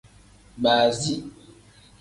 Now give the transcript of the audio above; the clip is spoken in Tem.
Baazi.